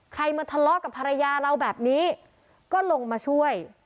มาทะเลาะกับภรรยาเราแบบนี้ก็ลงมาช่วย